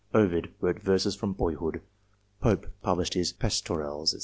Ovid wrote verses from boyhood. Pope published his "Pastorals" a3t.